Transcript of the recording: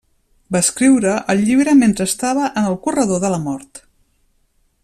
Va escriure el llibre mentre estava en el corredor de la mort.